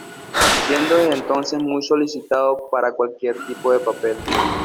Siendo desde entonces muy solicitado para cualquier tipo de papel.